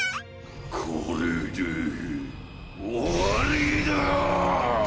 これで終わりだーー！